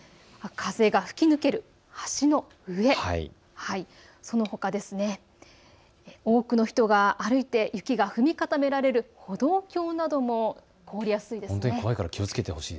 風が吹き抜ける橋の上、そのほか多くの人が歩いて雪が踏み固められる歩道橋なども凍りやすいです。